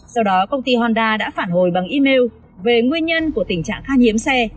sau đó công ty honda đã phản hồi bằng email về nguyên nhân của tình trạng kha nhiễm xe